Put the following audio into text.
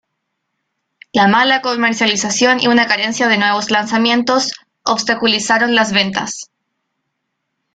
La mala comercialización y una carencia de nuevos lanzamientos obstaculizaron las ventas.